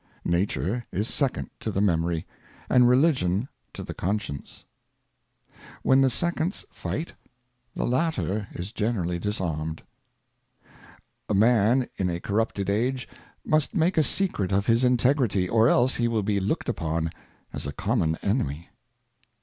Nature is Second to the Memory, and Religion to the Conscience. When the Seconds fight, the latter is generally disarmed. Integrity. A MAN in a corrupted Age must make a Secret of his Integrity, or else he will be looked upon as a common Enemy.